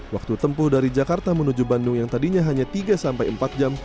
waktu tempuh dari jakarta menuju bandung yang tadinya hanya tiga sampai empat jam